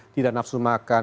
tidak nafsu makan